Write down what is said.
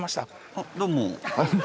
あっどうも。